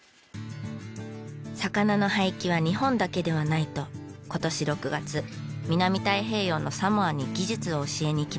魚の廃棄は日本だけではないと今年６月南太平洋のサモアに技術を教えに行きました。